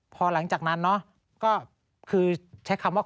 พอหลังจากนั้นเนาะ